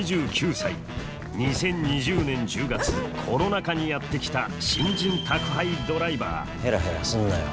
２０２０年１０月コロナ禍にやって来た新人宅配ドライバーヘラヘラすんなよ。